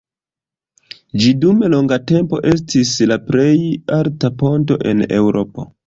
Ĝi dum longa tempo estis la plej alta ponto en Eŭropo.